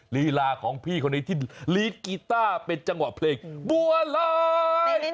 ลีลาของพี่คนนี้ที่ลีดกีต้าเป็นจังหวะเพลงบัวลอย